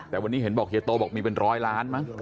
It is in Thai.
แต่วันนี้เห็นบอกเฮโตมีร้อยล้านมั้ง